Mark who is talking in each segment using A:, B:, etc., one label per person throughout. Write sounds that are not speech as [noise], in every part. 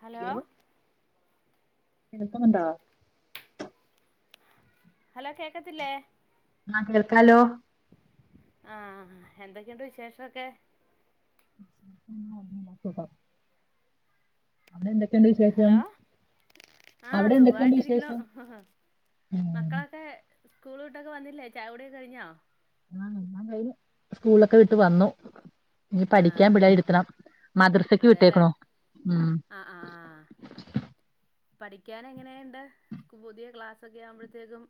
A: Hello
B: എന്ത വണ്ടാ
A: hello കേക്കത്തില്ലേ
B: ആഹ കേൾക്കാലോ
A: ആഹ എന്തൊക്കെയുണ്ട് വിശേഷമൊക്കെ
B: അ എന്തൊക്കെയുണ്ട് വിശേഷം
A: ഹലോ ആഹ്
B: അവിടെ എന്തൊക്കെയുണ്ട്
A: സുഖായിട്ട് ഇരിക്കണോ
B: വിശേഷം ഉം
A: മക്കളൊക്കെ സ്കൂൾവിട്ടൊക്കെ വന്നില്ലേ ചായകുടിയൊക്കെ കഴിഞ്ഞോ
B: ആഹ ഞാൻ കയ്ഞ്ഞു സ്കൂളൊക്കെ വിട്ട് വന്നു ഇ പഠിക്കാൻ
A: ആഹ്
B: വിടിരുത്തണം മദ്രസക്ക്
A: അതേല്ലേ
B: വിട്ടേക്കണോ ഉം
A: [inaudible] പഠിക്കാന എങ്ങനെയുണ്ട് പുതിയ ക്ലാസൊക്കെ ആവുമ്പോഴത്തേക്കും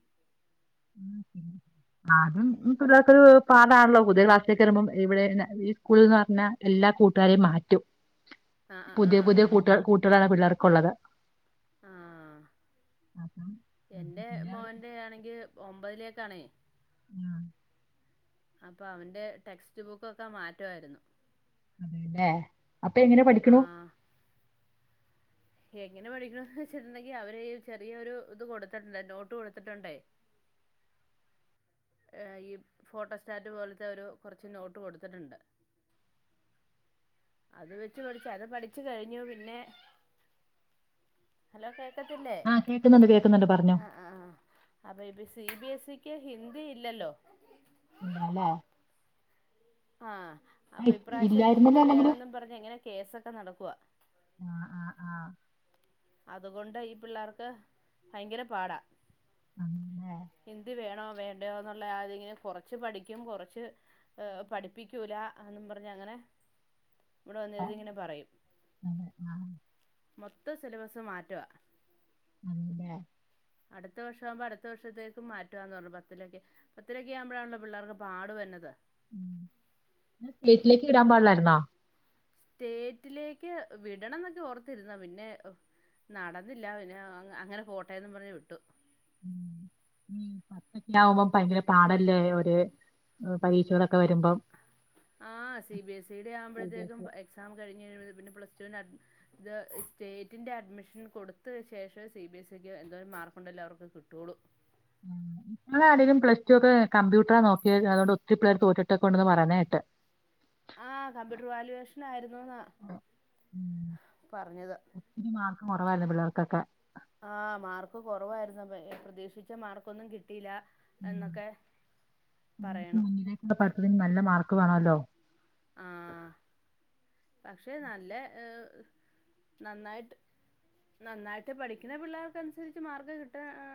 B: ആും പിക്കരു പാടാണല്ലോ പുതിയ ക്ലാസക്കെ എരുുമമ്പോം ഇവിടെ [unintelligible] സ്കൂൾ എന്ന് പറഞ്ഞാ എല്ലാ കൂട്ടുകാരെയും മാറ്റും
A: ആഹ് ആഹ്
B: പുതിയ
A: ആഹ്
B: പുതിയ കൂട്ട കൂട്ടുകളാണ് പിള്ളേർക്കള്ളത്
A: ആഹ്
B: അപ്പം പിന്നെ
A: ഒമ്പത്തിലിയേക്കണേ
B: ആഹ്
A: അപ്പൊ അവന്റെ ടെക്സ്റ്റ് ബുക്കൊക്കെ മാറ്റമായിരുന്നു
B: അതെല്ലേ അപ്പൊ എങ്ങനെ പഠിക്കണു
A: ആഹ് എങ്ങനെ പഠിക്കണന്ന് വെച്ചിട്ടുണ്ടെങ്കി അവര് ചെറിയൊരു ഇത് കൊടുത്തിട്ടുണ്ട് നോട്ട് കൊടുത്തിട്ടുണ്ടേ [inaudible] ർ ഈ ഫോട്ടോ സ്റ്റാറ്റ് പോലത്തെ ഒരു കുറച്ച് നോട്ട് കൊടുത്തിട്ടുണ്ട് അത് വെച്ച് പഠിച്ച അത് പഠിച്ചു കഴിഞ്ഞു പിന്നെ ഹലോ ല്ല
B: ആഹ് കേക്കുന്നുണ്ട് കേക്കുന്നുണ്ട് പറഞ്ഞോ
A: ആ ആി [unintelligible] സി ബി എസ് ഇക്ക് ഹിന്ദി ഇല്ലല്ലോ
B: എന്നാല
A: ആഹ അപ്പൊ ഇപ്രാവശ്യം
B: ഇല്ലായിരുന്നല്ലോ
A: ഹിന്ദി
B: അല്ലെങ്കിലും
A: വേണെന്നും പറഞ്ഞു എങ്ങനെ കേസൊക്കെ നടക്കുവ
B: ആഹ് ആഹ് ആഹ്
A: അതുകൊണ്ട് ഈ പിള്ളേർക്ക് ഭയങ്കര പാടാ
B: ആ
A: ഹിന്ദി വേണോ വേണ്ടോന്നുള്ള അതിങ്ങനെ കൊറച്ച് പഠിക്കും കുറച്ച് പഠിപ്പിക്കൂല എന്നും പറഞ്ഞ അങ്ങനെ ഇവിടെ
B: ആ,
A: വന്നിരുന്നിങ്ങനെ പറയും
B: അതെ ആഹ്
A: മൊത്തം സിലബസ് മാറ്റവാ
B: അല്ലേ
A: അടുത്ത വർഷമാകുമ്പോ അടുത്ത വർഷത്തേക്കും മാറ്റുവാന്ന് പറഞ്ഞു പത്തിലൊക്കെ പത്തിലൊക്കെ ആവുമ്പോഴാണല്ലോ പിള്ളേർക്ക് പാടു വരണത്
B: ഉ പ്ളേറ്റിലേക്ക് ഇടാൻ പാടില്ലായിരുന്നാ
A: സ്റ്റേറ്റിലേക്ക് വിടണം എന്നൊക്കെ ഓർത്തിരുന്നാ പിന്നെ നടന്നില്ല പിന്നെ അങ്ങനെ പോട്ടെ എന്നും പറഞ്ഞ് വിട്ടു
B: ഉ പത്തൊക്കെ ആകുമ്പോം ഭയങ്കര പാടല്ലേ ഒരു പരീക്ഷകളൊക്കെ വരുമ്പം
A: ആ സി ബിഎസ് ഇയുടെ ആവുമ്പോഴത്തേക്കും എക്സാം കഴിഞ്ഞു കഴിയുമ്പോൾ പ്ലസ് ടുവിന് അഡ് ഇത് സ്റ്റേറ്റിൻ്റെ അഡ്മിഷൻ കൊടുത്ത ശേഷം സി ബി എസ് ഇക്ക് എന്തോരം മാർ കൊണ്ടല്ല അവർക്ക് കിട്ടുള്ളൂ
B: ഉം ഞങ്ങളാണെലും പ്ലസ്ടു ഒക്കെ കമ്പ്യൂട്ടറാ നോക്കി അതുകൊണ്ട് ഒത്തിരിപേര് തോറ്റിട്ടൊക്കെണ്ടന്ന് പറയുന്നത് കേട്ടെ
A: ആ കമ്പ്യൂട്ടർ വാല്യൂവേഷൻ ആയിരുന്നുന്ന് പറഞ്ഞത്
B: കൊറവായിരുന്നു പിള്ളേർക്കൊക്കെ
A: ആ മാർക്ക് കുറവായിരുന്നു. പ്രതീക്ഷിച്ച മാർക്കൊന്നും കിട്ടിയില്ല.
B: ഉം
A: എന്നൊക്കെ പറയണു.
B: തിന് നല്ല മാർക്ക് വേണല്ലോ.
A: ആഹ് പക്ഷെ നല്ല ഏ നന്നായിട്ട് നന്നായിട്ട് പഠിക്കണ പിള്ളേർക്ക് അനുസരിച്ച് മാർക്ക് കിട്ട് ആ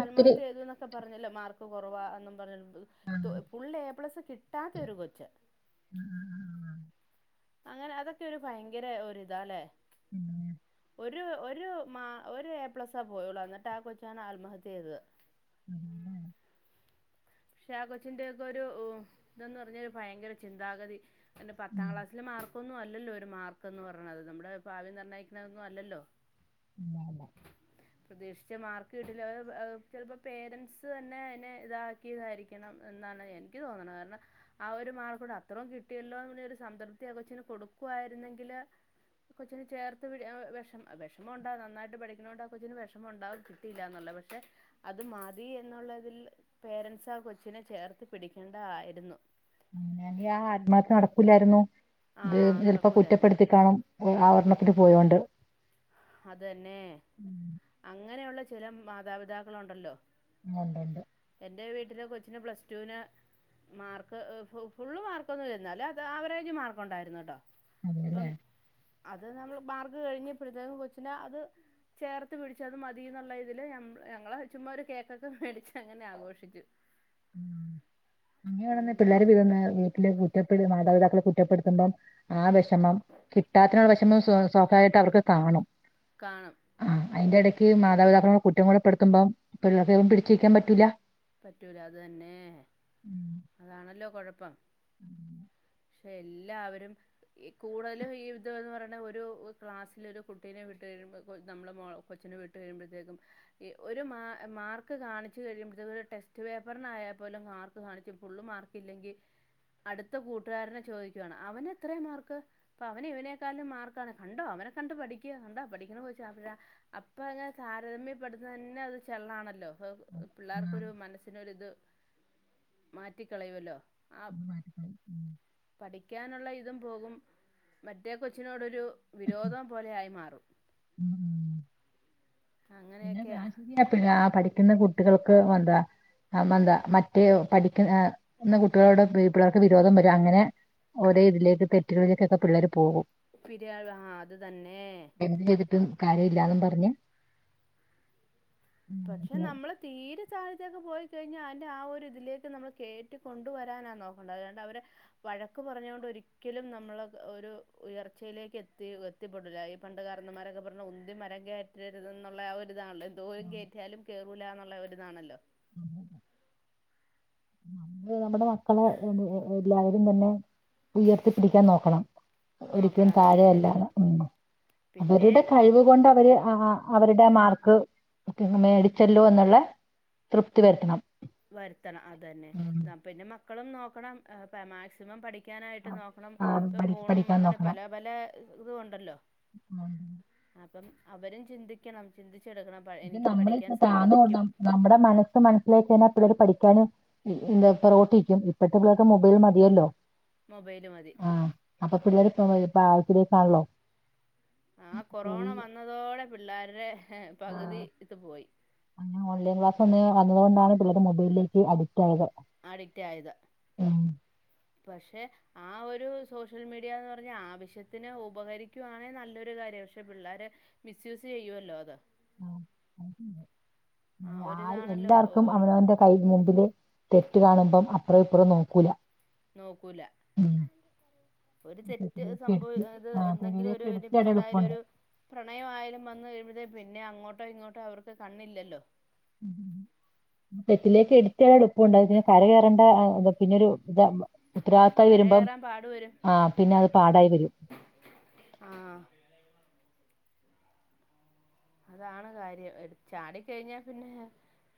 A: ആത്മഹത്യ ചെയ്തു എന്നൊക്കെ പറഞ്ഞല്ലോ മാർക്ക് കുറവാ എന്നും പറഞ്ഞണ്ട് ടൊ ഫുൾ എ പ്ലസ് കി ട്ടാത്തൊരു കൊച്ച്
B: ആഹ് ആഹ് ആഹ്
A: അങ്ങനെ അതൊക്കെ ഒരു ഭയങ്കര ഒരിതാല്ലേ.
B: ഉം
A: ഒരു ഒരു മാ ഒരു എ പ്ലസാ പോയുള്ളു എന്നിട്ട് ആ കൊച്ചാണ് ആത്മഹത്യ ചെയ്തത്.
B: [unintelligible]
A: പക്ഷെ ആ കൊച്ചിന്റെ ഒക്കെ ഒരു ഇതന്ന് പറഞ്ഞ ഒരു ഭയങ്കര ചിന്താഗതി എന്റെ പത്താം
B: ഉം
A: ക്ലാസിലെ മാർ ക്കൊന്നും അല്ലല്ലോ ഒരു മാർക്ക്ന്ന് പറയണത്. നമ്മുടെ ഭാവി നിർണയിക്കുന്ന ഒന്നും അല്ലല്ലോ.
B: അല്ലല്ല
A: പ്രതീക്ഷിച്ച മാർക്ക് കിട്ടില്ല അ ചിലപ്പോ പേരന്റ്സ് തന്നെ അതിനെ ഇതാ ക്കിതായിരിക്കണം എന്നാണ് എനിക്ക് തോന്നണത് കാരണം ആ ഒരു മാർക്കൂടെ അത്രയും കിട്ടിയല്ലോ ഒരു സംതൃപ് പ്തി ആ കൊച്ചിന് കൊടുക്കുവായിരുന്നെങ്കില് കൊച്ചിന് ചേർത്ത് പിടി ആ വിഷ വിഷമം ഉണ്ടാവും നന്നായിട്ട് പഠിക്കണതു കൊണ്ട് ആ കൊച്ചിന് വിഷമം ഉണ്ടാവും കിട്ടില്ലന്നാ ന്നെള്ളെ പക്ഷെ അത് മതി എന്നുള്ളതിൽ പേരൻസ് ആ കൊച്ചിനെ ചേർത്ത് പിടിക്കേണ്ടതായിരുന്നു.
B: അങ്ങനെയെങ്കിൽ ആ ആത്മഹത്യ നടക്കുല്ലായിരുന്നു.
A: ആ
B: ഇത് ചിലപ്പോ
A: നടക്കൂലായിരുന്നു
B: കുറ്റപ്പെടുത്തി കാണും. ആ ഒരണ്ണത്തിനു പോയോണ്ട്.
A: അതന്നെ
B: ഉം
A: അങ്ങനെയുള്ള ചില മാതാപിതാക്കൾ ഒണ്ടല്ലോ.
B: ഒണ്ടൊണ്ട്
A: എന്റെ വീട്ടിലെ കൊച്ചിന് പ്ലസ്ടുവിന് മാർക്ക്, ഫുള്ള്മാർക്കൊന്നില്ല എന്നാലും അത് അവറേജ് മാർക്ക് ഉണ്ടായിരുന്നു കേട്ടോ.
B: അതേല്ലേ
A: അപ്പം അത് നമ്മൾ മാർക്ക് കഴിഞ്ഞപ്പോഴത്തേക്കു കൊ ച്ചിന അത് ചേർത്ത് പിടിച്ച് അത് മതി എന്നുള്ള ഇതിൽ ഞമള് ഞങ്ങള് ചുമ്മാ ഒരു കേക്കൊക്കെ മേടിച്ചങ്ങ നെ ആഘോഷിച്ചു.
B: ഉം അങ്ങനെ തന്നെ
A: ഉം
B: പിള്ളേര് പിറന്ന വീട്ടില് കുറ്റപ്പപെടുൻ മാതാപിതാക്കൾ കുറ്റപ്പെടുത്തുമ്പം. ആ വിഷമം കിട്ടാത്തിനുള്ള വിഷമം സ്വാ സ്വാഭവികമായിട്ട് അവർക്ക് കാണും.
A: കാണും.
B: ആ അതിന്റെ ഇടയ്ക്ക് മാതാപിതാക്കൾ കുറ്റം കൂടെപ്പെടുത്തുമ്പം പിള്ളെർക്ക് ചെലപ്പം പിടിച്ച്നിക്കാൻ പറ്റൂല്ല.
A: പറ്റൂല അത് തന്നെ! അതാണല്ലോ? കൊഴപ്പം.
B: ഉം
A: ക്ഷെ എല്ലാവരും. ഈ കൂടുതലും ഈവിധംന്ന് പറയണത് ഒരു ക്ലാസിൽ ഒരു കുട്ടിനെ വിട്ടു കഴിയിമ്പോഴെക്കും. നമ്മള് മോളെ കൊച്ചിനെ വിട്ട് കഴിയുമ്പോഴത്തേക്കും. ഈ ഒരു മാ മാർക്ക് കാണിച്ച് കഴിയുമ്പത്തേക്കും [unintelligible] ടെസ്റ്റ് പേപ്പറിനായാൽ പോലും. മാർക്ക് കാണിച്ചും ഫുള്ള് മാർക്ക് ഇല്ലെങ്കിൽ അടുത്ത കൂട്ടുകാരനെ ചോദിക്കുവയാണ്, അവന് എത്രയാ മാർക്ക്. അപ്പ അവന് ഇവനേക്കാളും മാർക്കാണ് കണ്ടോ അവ നെ കണ്ട് പഠിക്ക്, കണ്ടോ? പഠിക്കണ കൊച്ചാ. അപ്പഴ അപ്പ അതിന താരതമ്യപ്പെടുത്തുന്ന തന്നെ അത് ചെള്ളാണല്ലോ. ഒഹോ
B: ആ
A: പിള്ളേർക്ക് ഒരു മനസ്സിനൊരു ഇത് മാറ്റിക്കളയുവല്ലോ ആപ്
B: അത് മാറ്റിക്കളയും ഉം
A: പഠിക്കാനുള്ള ഇതും പോകും. മറ്റേ കൊച്ചിനോടൊരു വിരോധം പോലെ ആയി മാറും.
B: ഉം
A: അങ്ങനെയെക്ക്
B: ആഹ് ശരിയാ പിൾ ആ പഠിക്കുന്ന കുട്ടികൾക്ക് വതാ [unintelligible] മറ്റേ പഠിക്കുന്ന ആഹ് ന്ന കുട്ടികളോട് പിള്ളേർക്ക് വിരോധം വരും അങ്ങനെ ഒരെ ഇതിലേക്ക് തെറ്റ്കളിലേക്കൊക്കെ പിള്ളേര്
A: പിരിയാത് ആഹ് അത് തന്നെ.
B: കാര്യല്ലാന്നും പറഞ്ഞ് ഉം,
A: പക്ഷെ
B: പിന്നെ
A: നമ്മള് തീരെ [unintelligible] പോയി പോയി കഴിഞ്ഞാ അയിന്റെ ആ ഒരു ഇതിലേക്ക് നമ്മൾ കേറ്റി കൊണ്ടുവരാനാ നോക്കേണ്ടത് അല്ലാണ്ട് അവരെ വഴക്ക് പറഞ്ഞോണ്ട് ഒ ഒരിക്കലും നമ്മൾ ഒരു ഉയർച്ചയിലേക്ക് എത്തി എത്തിപ്പെടില്ല ഈ പണ്ട് കാരണോമ്മാരൊക്കെ പറഞ്ഞ ഉന്തി [unintelligible] മരം കേറ്റരുത് ന്നുള്ള ആ ഒരിതാണല്ലോ എന്തോരും കേറ്റിയാലും കേറൂല എന്നുള്ള ഒരിതാണല്ലോ
B: ഇത് നമ്മടെ മക്കളെ എല്ലാവരും തന്നെ ഉയർത്തി പിടിക്കാൻ നോക്കണം. ഒരിക്കലും
A: നോക്കണത്
B: താഴെ
A: തന്നെ
B: അല്ലാതെ ഉം
A: പിന്നെ
B: അവരുടെ കഴിവ് കൊണ്ട് അവര് അ ആഹ് അവരുടെ ആ മാർക്ക് മേടിച്ചല്ലോ എന്നുള്ള തൃപ്തി വരുത്തണം.
A: വരുത്തണം അതെന്നെ
B: ഉം.
A: പിന്നെ മക്കളും നോക്കണം മാക്സിമം പഠി ക്കാനായിട്ട്
B: ആ-
A: നോക്കണം
B: ആ,
A: ഇപ്പൊ
B: പഠി-
A: ഫോണും
B: പഠിക്കാൻ
A: അങ്ങനെ
B: നോക്കണം
A: പല പല ഇതൂണ്ടല്ലോ
B: ഉം.
A: അപ്പം അവരും ചിന്തിക്കണം ചിന്തി
B: ത് നമ്മള് താന്നൊട് നമ്മ് നമ്മുടെ മനസ്സ് മനസ്സിലാക്കാ പിള്ളേര് പഠി ക്കാനും ഇ ഇന്താ ത്തറോട്ടിക്കും ഇപ്പത്തെ പിള്ളേര്ക്ക് മൊബൈൽ മതിയല്ലോ
A: മൊബൈല് മതി
B: ആഹ് അപ്പൊ പിള്ളേര് ഇപ്പ [unintelligible] ആഴത്തിലേക്കാണല്ലോ.
A: ആ കൊറോണ വന്നതോടെ പിള്ളാരുടെ
B: ആ
A: പകുതി ഇത് പോയി.
B: [unintelligible] വന്നത് കൊണ്ടാണ് പിള്ളേരു മൊബലിലേക്ക് അഡിക്
A: അഡിക്റ്റായത് പക്ഷേ ആ ഒരു രു സോഷ്യൽ മീഡയാന്ന് പറഞ്ഞാൽ ആവശ്യത്തിന് ഉപകരിക്കുവാണേ നല്ലരു കാര്യാ പക്ഷേ പിള്ളേര് മിസ്‌ ച്ച്യൂസ് ചെയ്യോല്ലോ അത്
B: ആഹ് അവിടെണ്ട്
A: ആ
B: ആര്
A: ഒരിതാണല്ലോ
B: എല്ലാർക്കും അവനവന്റെ കൈ മുമ്പില് തെറ്റ് കാണുമ്പം അ അപ്പറും ഇപ്പറും നോക്കൂലാ
A: നോക്കൂലാ ഒരു തെറ്റ്
B: തെറ്റിലേക്ക്
A: സംഭവ
B: എടുത്ത്
A: അത്
B: ആ
A: എന്തെങ്കിലും
B: തെറ്റിലേക്ക്
A: ഒരു ഇനിപ്പോ
B: എടുത്തിടാൻ
A: എന്തായാലും
B: എളുപ്പമുണ്ട്
A: ഒരു പ്രണയം ആയാലും വന്ന് കഴിയുമ്പതേ പിന്നെ അങ്ങോട്ടോ ഇങ്ങോട്ടോ അവർക്ക് കണ്ണില്ലല്ലോ
B: തെറ്റിലേക്ക് എടുത്തെ ആണ് ഇപ്പൊ ഒണ്ടായത് [unintelligible] കര കയറേണ്ട പിന്നെരു ഇതാ. ഉത്തരവാദിത്തം വരുമ്പം
A: കരകയറാൻ പാടു വരും
B: ആഹ് പിന്നെ അത് പാടായി വരും.
A: ആഹ് അതാണ് കാര്യം ചാടി കഴിഞ്ഞാ പിന്നെ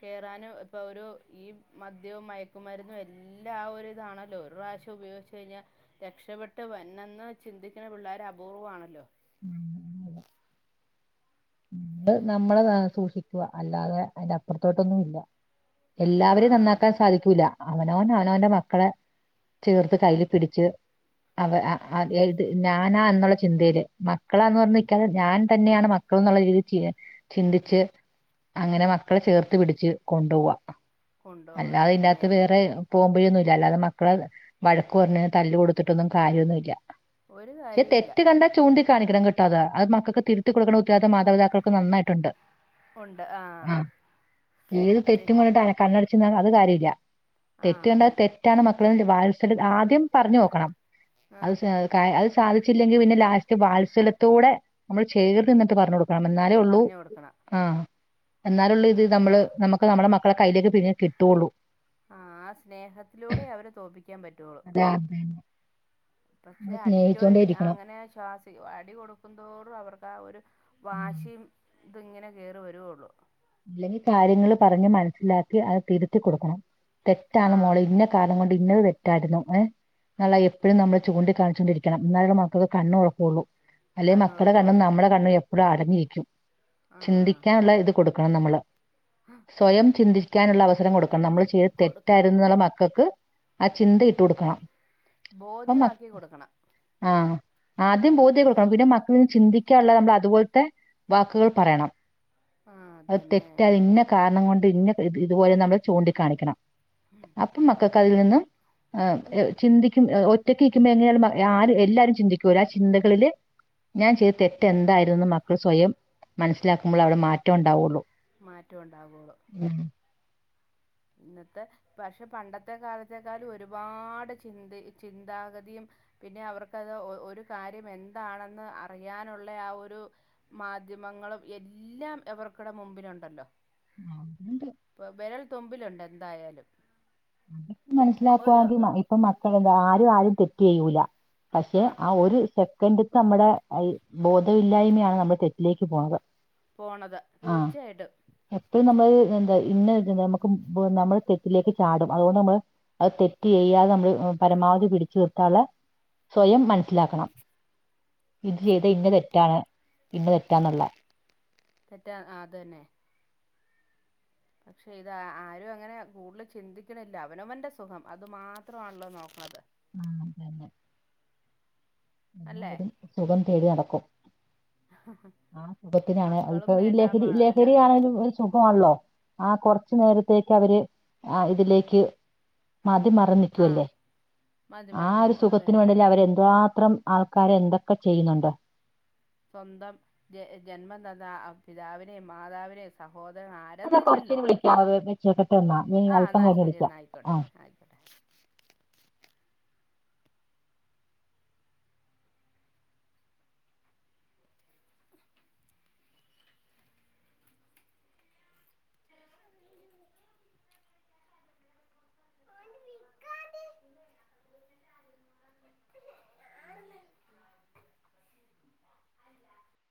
A: കേറാനും ഇപ്പൊ ഒരു ഈ മദ്യവും മയക്കുമരുന്നും എല്ലാം ആ ഒരു ഇതാണല്ലോ ഒരു പ്രാവശ്യം [unintelligible] ഉപയോഗിച്ചു കഴിഞ്ഞാ രക്ഷപ്പെട്ട് വരണെന്ന് ചിന്തിക്കണ പിള്ളേര് അപൂർവം ആണല്ലോ
B: അത് നമ്മള് ന സൂക്ഷിക്കുക അല്ലാതെ അതിന്റെ അപ്പറത്തോട്ടൊന്നും ഇല്ല.
A: ഇല്ല
B: എല്ലാവരെയും
A: ആഹ്
B: നന്നാക്കാൻ സാധിക്കൂല അവനവൻ അവനവന്റെ മക്കളെ ചേർത്ത് കൈയില് പിടിച്ച് അവ അ അ ഇത് ഞാനാ എന്നുള്ള ചിന്തയില് മക്കളാന്ന് പറഞ്ഞു നിക്കാതെ ഞാൻ തന്നെയാണ് മ [unintelligible] എന്നൊള്ള രീതിയില് ചെയ്യുക. ചിന്തിച്ച് അങ്ങനെ മക്കളെ ചേർത്ത് പിടിച്ച് കൊണ്ടു പോവാ
A: കൊണ്ടോവുക
B: അല്ലാതെ ഇതിന്റെ അകത്ത്
A: അതന്നെ
B: വേറെ പോം വഴിഒന്നുല്ല. അല്ലാതെ മക്കളെ വഴക്ക് പറഞ്ഞ് തല്ല് കൊടുത്തിട്ടൊന്നും കാര്യൊന്നുല്ല.
A: ഒരു
B: ഏ
A: കാര്യവും ഇല്ല
B: തെറ്റ് കണ്ടാ ചൂണ്ടി കാണിക്കണം കിട്ടാതെ അത് മക്കൾക്ക് തിരുത്തി കൊടുക്കണം ഉത്തരവാദിത്യം മാതാപിതാക്കൾ നന്നായിട്ടുണ്ട്.
A: ഉണ്ട് ആഹ്
B: ആ ഏത് തെറ്റും
A: തെറ്റ്
B: കണ്ടിട്ട് കണ്ണട കാര്യമല്ല തെറ്റ്
A: ആഹ്
B: കണ്ടാ തെറ്റാണ് മക്കള വാസല് ആദ്യം പറഞ്ഞു നോക്കണം.
A: ആഹ്
B: [unintelligible] സാധിച്ചില്ലെങ്കിൽ പിന്നെ ലാസ്റ്റ് വാത്സല്ലത്തോടെ നമ്മൾ ചേർന്ന് നിന്നിട്ട് പറഞ്ഞു കൊടുക്കണം എന്നാലേള്ളൂ
A: പറഞ്ഞു കൊടുക്കണം
B: ആഹ് എന്നാലേ ഉള്ളു ഇത് നമ്മള് നുക്ക് ഒക്കെ നമ്മടെ മക്കള കയ്യിലേക്ക് പിന്നെ കിട്ടുകയുള്ളു
A: ആഹ് ആ സ്നേഹത്തിലൂടെ അവരെ തോൽപ്പിക്കാൻ പറ്റുള്ളു
B: അതെ അതന്നെ
A: പക്ഷെ
B: നമ്മള്
A: അടിക്കോ
B: സ്നേഹിച്ചോണ്ടേ
A: ഇ
B: ഇരിക്കണം
A: അങ്ങനെ ശ്വാസ അടി കൊടുക്കുന്തോറും അവർക്ക് ആ ഒരു
B: ഉം
A: വാശിയും ഇതിങ്ങനെ കയറി വരുയുള്ളു
B: അല്ലെങ്കിൽ കാര്യങ്ങള്പറഞ്ഞ് മനസ്സിലാക്കി അത് തിരുത്തി കൊടുക്കണം
A: ആ
B: തെറ്റാണ് മോളെ ഇന്ന കാരണം കൊണ്ട് ഇന്നത് തെറ്റായിരുന്നു ഏഹ് എന്നല്ല എപ്പോഴും നമ്മള് ചൂണ്ടിക്കാണിച്ചുകൊണ്ടിരിക്കണം എന്നാലും നമ്മളെ മക്കക്ക് കണ്ണ് തുറക്കയുള്ളൂ അല്ലെ മക്കളുടെ കണ്ണും
A: കണ്ണോർക്കോളൂ
B: നമ്മളുടെ കണ്ണും എപ്പോഴും അടഞ്ഞിരിക്കും
A: ആ
B: ചിന്തിക്കാനുള്ള ഇത് കൊടുക്കും നമ്മള് സ്വയം ചിന്തിക്കാനുള്ള അവസരം കൊടുക്ക നമ്മള് ചെയ്ത്
A: കൊടുക്കണം
B: തെറ്റായിരുന്നുള്ള മക്കൾക്ക് ചിന്തയിട്ട് കൊടുക്കണം അപ്പൊ
A: ബോധ്യമാക്കി കൊടുക്കണം
B: ആഹ് ആദ്യം ബോധ്യം കൊടുക്കണം പിന്നെ മക്കള് നിന്ന് ചിന്തിക്കാനുള്ള നമ്മൾ അതുപോലത്തെ വാക്കുകൾ പറയണം
A: ആ അത്
B: അത്
A: തന്നെ
B: തെറ്റാ ഇന്ന കാരണം കൊണ്ട് ഇന്ന ഇതുപോലെ നമ്മള് ചൂണ്ടിക്കാണിക്കണം അപ്പൊ മക്കൾക്ക് അതിൽ നിന്നും ആഹ് ചിന്തിക്കും ഒറ്റക്ക് നിക്കുമ്പോ എങ്ങനെയായാലുംആരും എല്ലാരും ചിന്തിക്കും ആ ചിന്തകളില് ഞാൻ ചെയ്ത തെറ്റ് എന്തായിരുന്നുന്ന് മക്കൾ സ്വയം മനസ്സിലാക്കുമ്പോൾ അവിടെ മാറ്റം ഉണ്ടാവുള്ളൂ
A: മാറ്റം ഉണ്ടാവുള്ളു ഇന്നത്തെ പക്ഷെ പണ്ടത്തെ കാലത്തേക്കാളും ഒരുപാട് ചിന്ത ചിന്താഗതിയും പിന്നെ അവർക്ക്ത് ഒരു കാര്യം എന്താണെന്ന് അറിയാനുള്ള ആ ഒരു മാധ്യ മാധ്യമങ്ങളും എല്ലാം അവർക്കടെ മുമ്പിലുണ്ടല്ലോ
B: ആഹ് ഉണ്ട്
A: ഇപ്പോൾ വിരൽ തുമ്പിലുണ്ട് എന്തായാലും
B: അതൊക്കെ
A: ഒരു
B: മനസ്സിലാക്കുവാെണങ്കിൽ ഇപ്പം മക്കള് ആരും ആരും തെറ്റ് ചെയ്യൂല പക്ഷെ ആ ഒരു സെക്കൻ്റത്തെ നമ്മുടെ ബോധമില്ലായ്മയാണ് നമ്മുടെ തെറ്റിലേക്ക് പോണത്
A: പോണത്
B: ആ
A: തീർച്ചയായിട്ടും
B: എപ്പോഴും നമ്മൾ എന്താ ഇന്നെന്ത നമുക്ക് നമ്മുടെ തെറ്റിലേക്ക് ചാടും അതുകൊണ്ട് നമ്മള് അത് തെറ്റ് ചെയ്യാതെ നമ്മള് പരമാവധി പിടിച്ചു നിർത്താനുള്ള സ്വയം മനസിലാക്കണം ഇത് ചെയ്ത ഇന്ന തെറ്റാണ് ഇന്ന തെറ്റാന്നുള്ള
A: തെറ്റാ ആ അതു തന്നെ പക്ഷെ ഇത് ആരും അങ്ങനെ കൂടുതൽ ചിന്തിക്കണില്ല അവനവന്റെ സുഖം അത് മാത്രമാണല്ലോ നോക്കണത്
B: ആ തന്നെ
A: അല്ലേ
B: എന്നും സുഖം തേടി നടക്കും ആ സുഖത്തിനാണ്
A: മക്കളും
B: അതിപ്പൊ ഈ
A: വേണ്ട
B: ലഹരി
A: മ- അല്ല
B: ലഹരി ആണെങ്കിലും സുഖമാല്ലോ ആ കുറച്ചു നേരത്തേക്ക് അവര് ആ ഇതിലേക്ക് മതി മറന്ന്
A: ആ
B: നിക്കുവല്ലേ
A: മതി
B: ആ
A: മറന്നു
B: ഒരു
A: പോകും അത് തന്നെ
B: സുഖത്തിന് വേണ്ടിയല്ലേ അവരെന്താ മാത്രം ആൾക്കാരെ എന്തൊക്കെ ചെയ്യുന്നുണ്ട്
A: സ്വന്തം ജന്മം തന്ന പിതാവിനെയും മാതാവിനെയും സഹോ
B: അതേ കുറച്ചു കഴിഞ്ഞ് വിളിക്കാവേ
A: ആഹ് എന്നാ ശരി എന്നാ ആയിക്കോട്ടെ ആയിക്കോട്ടെ